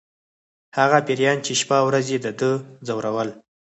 هغه پیریان چې شپه او ورځ یې د ده ځورول